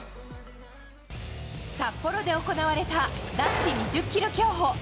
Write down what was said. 札幌で行われた男子２０ｋｍ競歩。